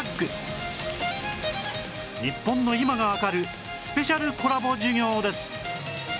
日本の今がわかるスペシャルコラボ授業です